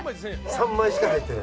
３枚しか入ってない。